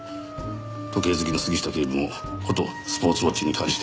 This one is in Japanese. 時計好きの杉下警部もことスポーツウオッチに関しては。